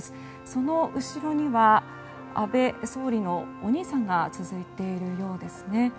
その後ろには安倍総理のお兄さんが続いているようですね。